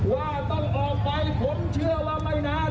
ว่าต้องออกไปผมเชื่อว่าไม่นาน